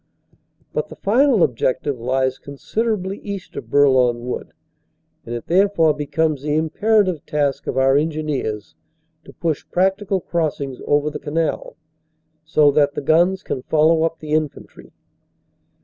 But the final objective lies considerably east of Bourlon Wood, and it therefore becomes the imperative task of our engineers to push practical crossings over the canal so that the guns can follow up the infantry.